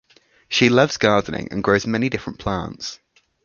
She loves gardening and grows many different plants.